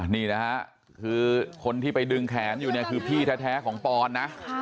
นี่นะฮะคือคนที่ไปดึงแขนอยู่เนี่ยคือพี่แท้ของปอนนะ